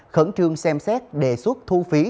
khẩn trương xem xét đề xuất thu phí